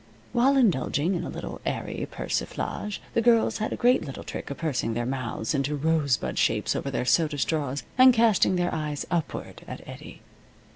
While indulging in a little airy persiflage the girls had a great little trick of pursing their mouths into rosebud shapes over their soda straws, and casting their eyes upward at Eddie.